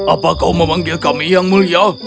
apa kau memanggil kami yang mulia